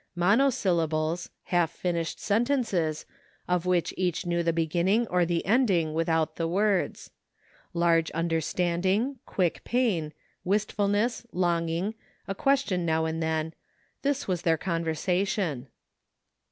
Monosyllables, half finished sentences, of which each knew the beginning or the ending without the words. Large imderstanding, quick pain, wistfulness, longing, a question now and then — ^this was their conversation.